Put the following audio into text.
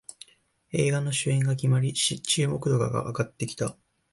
映画の主演が決まり注目度が上がってきた